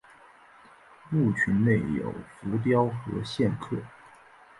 墓群内有浮雕和线刻。